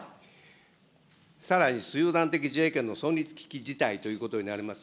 さらに集団的自衛権の行使事態ということになります。